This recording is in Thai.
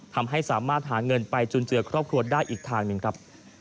ทำให้สามารถหาเงินไปจุนเจือครอบครัวได้อีกทางหนึ่งครับ